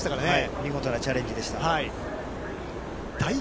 見事なチャレンジでしたからね。